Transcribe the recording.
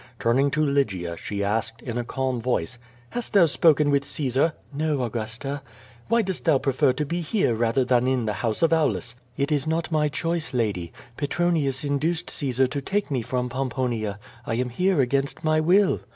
Turning to Lygia, she asked, in a calm voice: "Hast thou spoken with Caesar?" "No, Augusta." "AVhy dost thou prefer to be here rather than in the house of Aulus?" "It is not my choice, lady. Petronius induced Caesar to take me from Pomponia. I am here against my will."